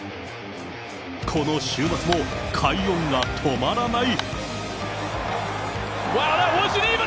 この週末も快音が止まらない。